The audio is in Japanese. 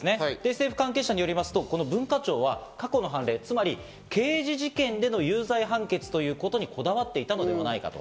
政府関係者によりますと刑事事件での有罪判決ということに、こだわっていたのではないかと。